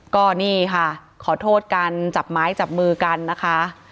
ก็นี่ค่ะขอโทษกันจับไม้จับมือกันนะคะ